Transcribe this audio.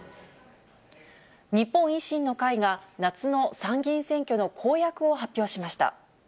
日本維新の会が、夏の参議院選挙の公約を発表しました。